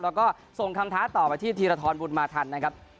แล้วก็ส่งคำท้าต่อไปที่ธีรทรบุญมาทันนะครับ